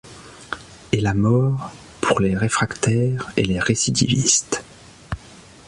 Et la mort pour les réfractaires et les récidivistes.